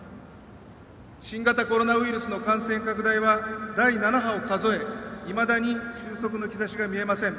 新型コロナウイルスの感染拡大は第７波を数えいまだに収束の兆しが見えません。